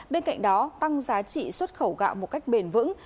bên cạnh đó tăng giá trị xuất khẩu gạo một cách bền vững